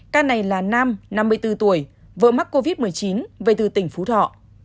ca này là nam năm mươi bốn tuổi vợ mắc covid một mươi chín về từ tỉnh phú thọ